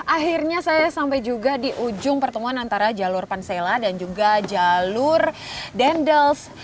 akhirnya saya sampai juga di ujung pertemuan antara jalur pansela dan juga jalur dendels